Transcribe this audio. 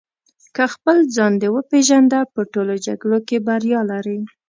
که خپل ځان دې وپېژنده په ټولو جګړو کې بریا لرې.